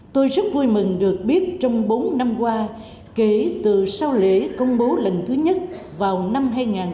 tôi rất vui mừng được biết trong bốn năm qua kể từ sau lễ công bố lần thứ nhất vào năm hai nghìn một mươi